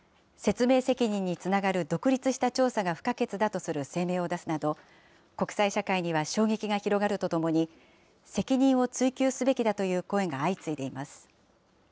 説明責任につながる独立した調査が不可欠だとする声明を出すなど、国際社会には衝撃が広がるとともに、責任を追及すべきだという声が相次いでいます。